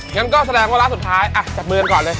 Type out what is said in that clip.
งั้นก็แสดงว่าร้านสุดท้ายจับมือกันก่อนเลย